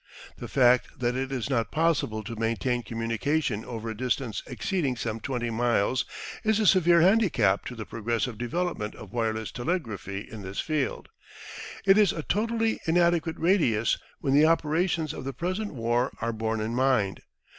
The fact that it is not possible to maintain communication over a distance exceeding some 20 miles is a severe handicap to the progressive development of wireless telegraphy in this field. It is a totally inadequate radius when the operations of the present war are borne in mind.